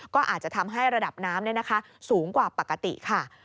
ก็อาจจะทำให้ระดับน้ำสูงกว่าปกติค่ะ